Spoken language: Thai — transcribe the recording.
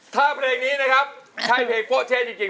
ถ้าเพลงนี้นะครับใช่เพลงโป้เช่จริง